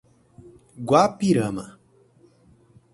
Guapirama